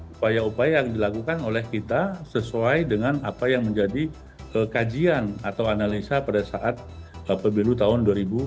upaya upaya yang dilakukan oleh kita sesuai dengan apa yang menjadi kajian atau analisa pada saat pemilu tahun dua ribu dua puluh